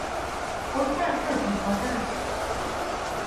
ওটা একটা দূর্ঘটনা ছিল।